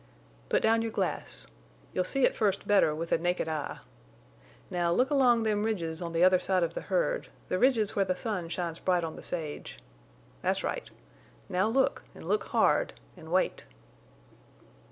"Put down your glass. You'll see at first better with a naked eye. Now look along them ridges on the other side of the herd, the ridges where the sun shines bright on the sage.... That's right. Now look en' look hard en' wait."